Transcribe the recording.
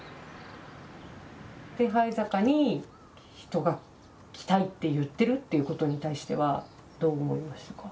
手這坂に人が来たいって言ってるっていうことに対してはどう思いましたか？